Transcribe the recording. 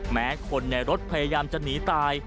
แม้คนในรถพยายามจะหนีตาย